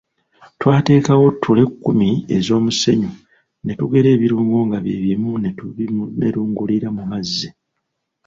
Twateekawo ttule kkumi ez’omusenyu ne tugera ebirungo nga bye bimu ne tubimerengulira mu mazzi.